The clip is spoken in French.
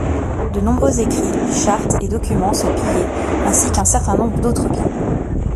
De nombreux écrits, chartes et documents, sont pillés, ainsi qu'un certain nombre d'autres biens.